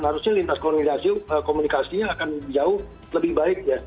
harusnya lintas komunikasi komunikasinya akan jauh lebih baik ya